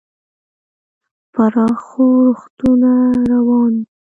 پراخ ښورښونه روان وو.